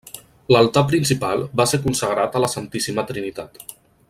L'altar principal va ser consagrat a la Santíssima Trinitat.